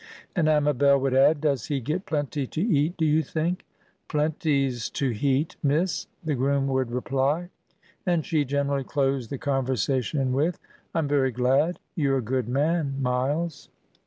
And Amabel would add, "Does he get plenty to eat, do you think?" "Plenties to heat, miss," the groom would reply. And she generally closed the conversation with, "I'm very glad. You're a good man, Miles."